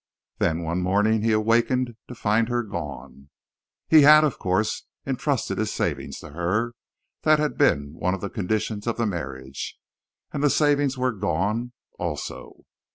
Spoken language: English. Then, one morning, he awakened to find her gone. He had, of course, entrusted his savings to her that had been one condition of the marriage! and the savings were gone, also.